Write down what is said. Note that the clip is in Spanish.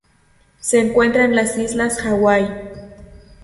Se encuentran en las Islas Hawái